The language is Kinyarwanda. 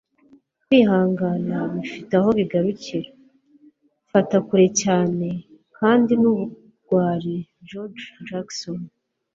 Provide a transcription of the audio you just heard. kwihangana bifite aho bigarukira. fata kure cyane, kandi ni ubugwari. - george jackson